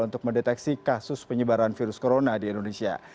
untuk mendeteksi kasus penyebaran virus corona di indonesia